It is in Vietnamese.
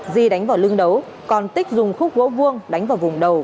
di đánh vào lưng đấu còn tích dùng khúc gỗ vuông đánh vào vùng đầu